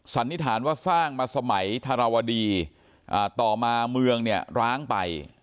สันนิษฐานว่าสร้างมาสมัยธรวดีต่อมาเมืองเนี่ยร้างไป